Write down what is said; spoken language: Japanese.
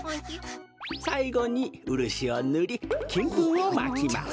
さいごにウルシをぬりきんぷんをまきます。